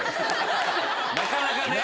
なかなかね。